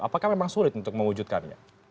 apakah memang sulit untuk mewujudkannya